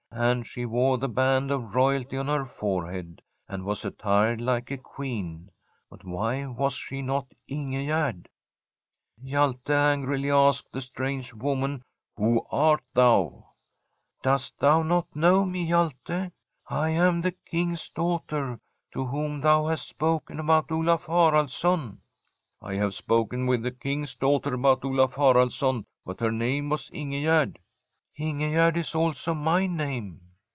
And she wore the band of royalty on her forehead, and was attired like a Queen. But why was she not Ingegerd ? Hjalte angrily asked the strange woman :' Who art thou ?'' Dost thou not know me, Hjalte ? I am the King's daughter, to whom thou hast spoken about Olaf Haraldsson.' ' I have spoken with a King's daughter about Olaf Haraldsson, but her name was Ingegerd.' ' Ingegerd is also my name.'